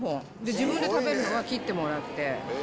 自分で食べるのは切ってもらって。